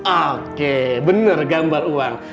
oke benar gambar uang